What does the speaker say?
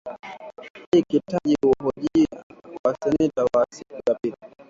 Jaji Ketanji ahojiwa na seneti kwa siku ya pili